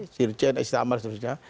jirjen istana amar dan sebagainya